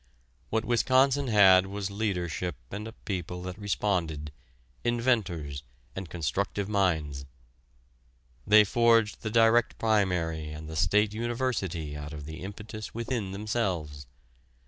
What Wisconsin had was leadership and a people that responded, inventors, and constructive minds. They forged the direct primary and the State University out of the impetus within themselves.